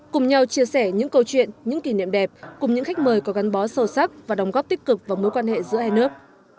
cùng nhau chia sẻ những câu chuyện những kỷ niệm đẹp cùng những khách mời có gắn bó sâu sắc và đồng góp tích cực vào mối quan hệ giữa hai nước